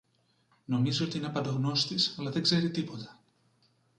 Νομίζει ότι είναι παντογνώστης, αλλά δεν ξέρει τίποτα!